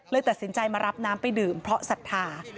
ตัดสินใจมารับน้ำไปดื่มเพราะศรัทธา